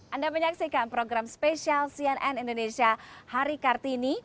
anda menyaksikan program spesial cnn indonesia hari kartini